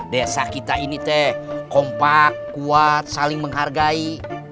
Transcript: desa kita ini teh kompak kuat saling menghargai